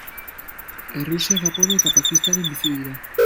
Errusia, Japonia eta Pakistanen bizi dira.